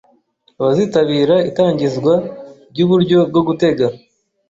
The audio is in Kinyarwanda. abazitabira itangizwa ry’uburyo bwo gutega